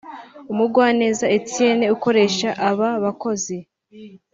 Mugwaneza Ethienne ukaresha aba bakozi